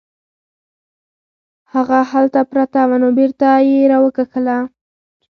هغه هلته پرته وه نو بیرته یې راوکښله.